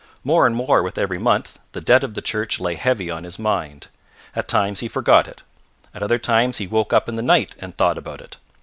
More and more with every month the debt of the church lay heavy on his mind. At times he forgot it. At other times he woke up in the night and thought about it.